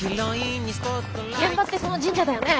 現場ってその神社だよね？